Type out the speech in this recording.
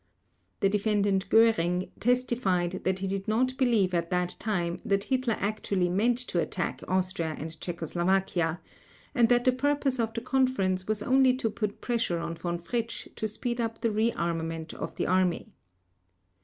The Defendant Göring testified that he did not believe at that time that Hitler actually meant to attack Austria and Czechoslovakia, and that the purpose of the conference was only to put pressure on Von Fritsch to speed up the re armament of the Army.